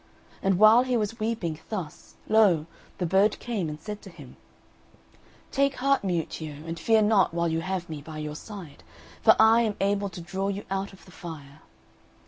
And while he was weeping thus, lo! the bird came, and said to him, "Take heart, Miuccio, and fear not while you have me by your side, for I am able to draw you out of the fire."